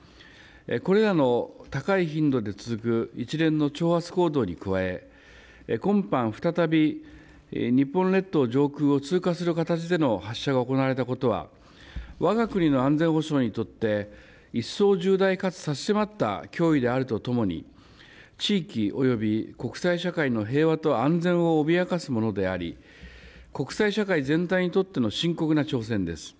これらの高い頻度で続く一連の挑発行動に加え、今般再び日本列島上空を通過する形での発射が行われたことは、わが国の安全保障にとって、一層重大かつ差し迫った脅威であるとともに、地域および国際社会の平和と安全を脅かすものであり、国際社会全体にとっての深刻な挑戦です。